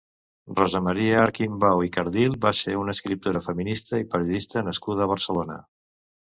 Rosa Maria Arquimbau i Cardil va ser una escriptora feminista i periodista nascuda a Barcelona.